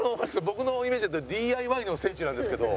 僕のイメージだとＤＩＹの聖地なんですけど。